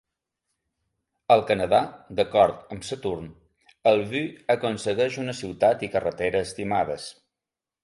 Al Canadà, d'acord amb Saturn, el Vue aconsegueix una ciutat i carretera estimades.